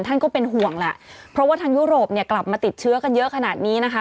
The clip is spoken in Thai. ก็เป็นห่วงแหละเพราะว่าทางยุโรปเนี่ยกลับมาติดเชื้อกันเยอะขนาดนี้นะคะ